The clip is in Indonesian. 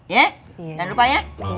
jangan lupa ya